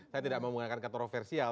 saya tidak mau menggunakan kata kontroversial